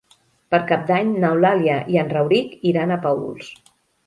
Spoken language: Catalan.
Per Cap d'Any n'Eulàlia i en Rauric iran a Paüls.